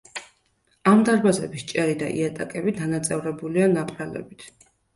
ამ დარბაზების ჭერი და იატაკები დანაწევრებულია ნაპრალებით.